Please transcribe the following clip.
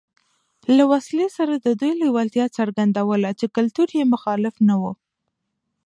له وسلې سره د دوی لېوالتیا څرګندوله چې کلتور یې مخالف نه و